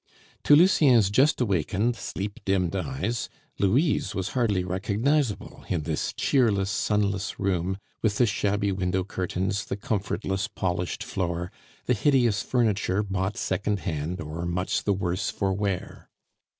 To Lucien's just awakened, sleep dimmed eyes, Louise was hardly recognizable in this cheerless, sunless room, with the shabby window curtains, the comfortless polished floor, the hideous furniture bought second hand, or much the worse for wear.